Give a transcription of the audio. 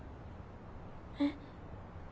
えっ？